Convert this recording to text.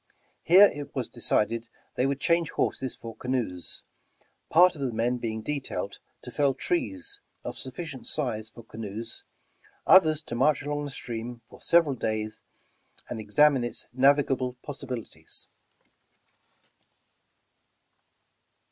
'' Here 183 The Original John Jacob Astor it was decided they would change horses for canoes, part of the men being detailed to fell trees of sufficient size for canoes, others to march along the stream for several days and examine its navigable possibilities.